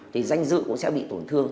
thì danh dự cũng sẽ bị tổn thương